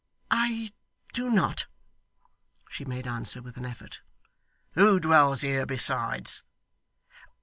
'I do not,' she made answer with an effort. 'Who dwells here besides?